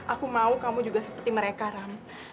aku mau kamu juga seperti mereka ram